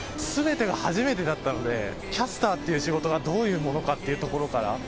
全てが初めてだったのでキャスターっていう仕事がどういうものかっていうところから。